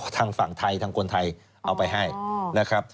ทางฝั่งไทยทางคนไทยเอาไปให้นะครับ